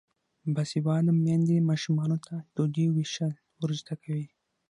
باسواده میندې ماشومانو ته ډوډۍ ویشل ور زده کوي.